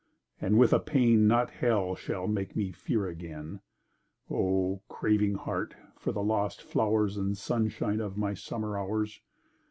and with a pain Not Hell shall make me fear again— O! craving heart, for the lost flowers And sunshine of my summer hours!